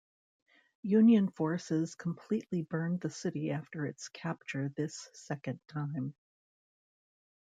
Union forces completely burned the city after its capture this second time.